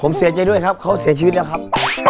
ผมเสียใจด้วยครับเขาเสียชีวิตแล้วครับ